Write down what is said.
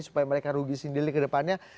supaya mereka rugi sendiri kedepannya